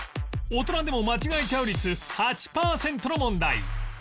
大人でも間違えちゃう率８パーセントの問題